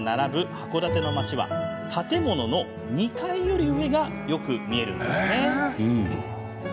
函館の町は建物の２階より上がよく見えますよね。